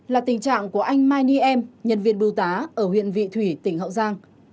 là tình trạng của anh mai ni em nhân viên bưu tá ở huyện vị thủy tỉnh hậu giang